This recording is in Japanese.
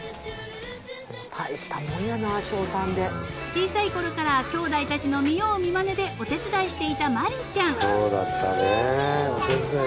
［小さいころからきょうだいたちの見よう見まねでお手伝いしていた月姫ちゃん］